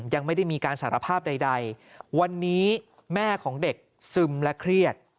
ยังไม่ได้มีการสารภาพใดวันนี้แม่ของเด็กซึมและเครียด